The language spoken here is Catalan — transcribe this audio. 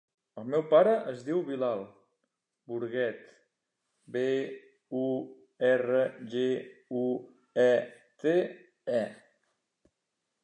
El meu pare es diu Bilal Burguete: be, u, erra, ge, u, e, te, e.